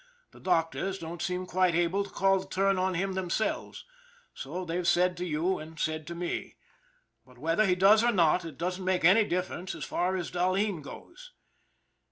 The doctors don't seem quite able to call the turn on him themselves, so they've said to you and said to me. But whether he does or not, it doesn't make any difference as far as Dahleen goes.